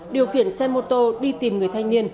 điều khiển xe mô tô đi tìm người thanh niên